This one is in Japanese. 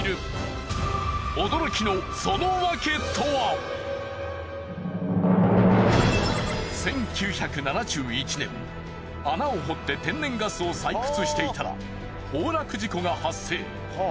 驚きの１９７１年穴を掘って天然ガスを採掘していたら崩落事故が発生。